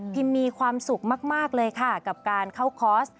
มีความสุขมากเลยค่ะกับการเข้าคอร์ส